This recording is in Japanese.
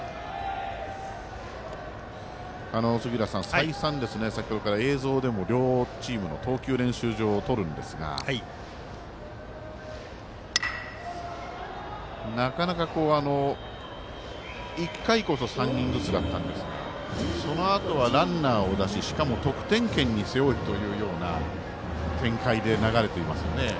再三、先ほどから映像でも両チームの投球練習場を撮るんですがなかなか、１回こそ３人ずつだったんですがそのあとはランナーを出ししかも得点圏に背負うというような展開で流れていますよね。